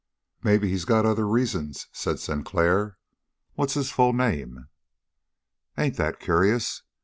"Maybe he's got other reasons," said Sinclair. "What's his full name?" "Ain't that curious!